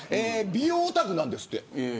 美容オタクなんですって。